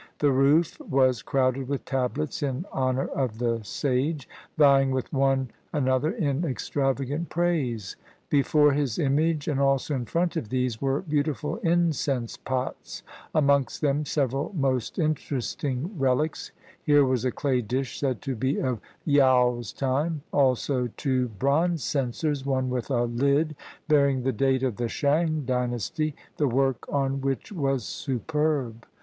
The roof was crowded with tablets in honor of the sage, vying with one another in extrava gant praise; before his image, and also in front of these, were beautiful incense pots, amongst them several most interesting relics; here was a clay dish said to be of Yaou's time; also two bronze censers, one with a lid bearing the date of the Shang Dynasty, the work on which was superb.